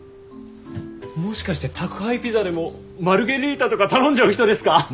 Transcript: もしかして宅配ピザでもマルゲリータとか頼んじゃう人ですか？